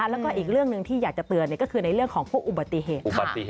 แล้วก็อีกเรื่องหนึ่งที่อยากจะเตือนก็คือในเรื่องของพวกอุบัติเหตุ